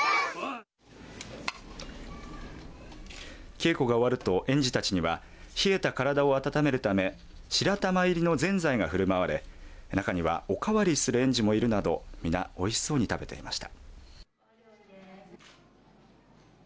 稽古が終わると園児たちには冷えた体を温めるため白玉入りのぜんざいがふるまわれ中にはおかわりする園児もいるなど皆、おいしそうに食べました。